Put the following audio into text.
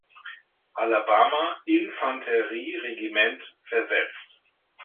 Alabama Infanterie-Regiment versetzt.